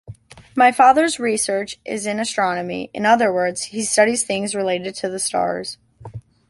My father’s research is in astronomy, in other words, he studies things related to the stars